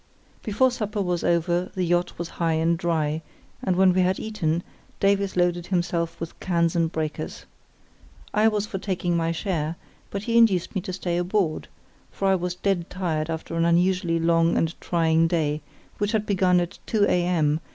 Before supper was over the yacht was high and dry, and when we had eaten, Davies loaded himself with cans and breakers. I was for taking my share, but he induced me to stay aboard; for I was dead tired after an unusually long and trying day, which had begun at 2 a.m.